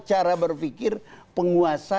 cara berpikir penguasa